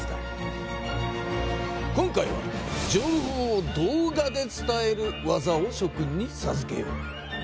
今回は情報を動画で伝える技をしょ君にさずけよう。